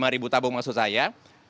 empat puluh lima ribu tabung maksud saya